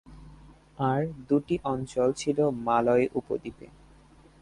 এই দুটি অঞ্চল ছিল মালয় উপদ্বীপে।